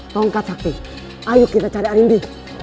tongkat sapi ayo kita cari arindi